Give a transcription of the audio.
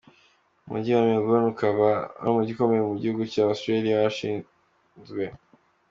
Umujyi wa Melbourne ukaba ari umujyi ukomeye mu gihugu cya Australia warashinzwe.